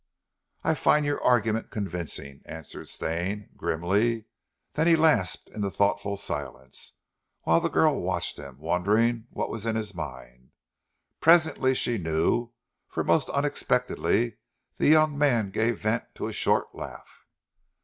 "I find your argument convincing," answered Stane, grimly. Then he lapsed into thoughtful silence, whilst the girl watched him, wondering what was in his mind. Presently she knew, for most unexpectedly the young man gave vent to a short laugh.